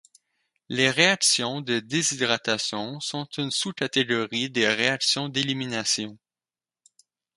Les réactions de déshydratation sont une sous-catégorie des réactions d'élimination.